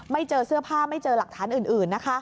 เจอเสื้อผ้าไม่เจอหลักฐานอื่นนะคะ